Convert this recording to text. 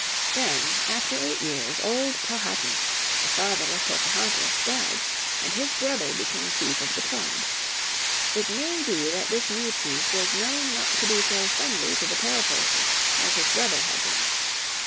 Then after eight years, old Powhatan, the father of Pocahontas, died, and his brother became chief of the tribe. It may be that this new chief was known not to be so friendly to the Pale faces as his brother had been.